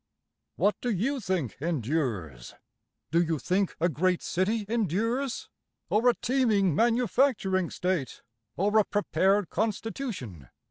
What do you think endures? Do you think a great city endures? Or a teeming manufacturing state? or a prepared constitution?